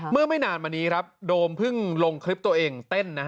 ไม่นานมานี้ครับโดมเพิ่งลงคลิปตัวเองเต้น